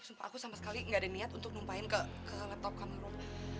sumpah aku sama sekali gak ada niat untuk numpain ke laptop kamu rob